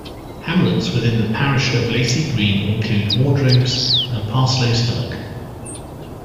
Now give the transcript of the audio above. Hamlets within the parish of Lacey Green include Wardrobes and Parslow's Hillock.